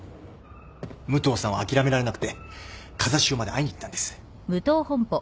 武藤さんを諦められなくて風汐まで会いに行ったんです。